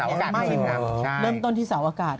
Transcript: นั่นเป็นศูนย์